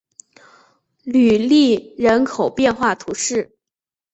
吕利人口变化图示